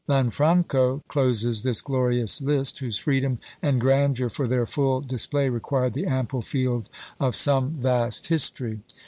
Lanfranco closes this glorious list, whose freedom and grandeur for their full display required the ample field of some vast history.